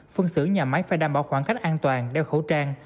phân xử nhà máy phải đảm bảo khoảng cách an toàn đeo khẩu trang